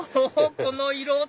この色男！